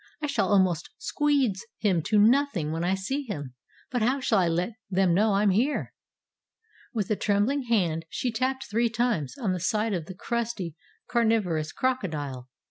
"I shall almost squeedge him to nothing when I see him. But how shall I let them know I'm here?" With a trembling hand, she tapped three times on the side of the crusty, carnivorous crocodile.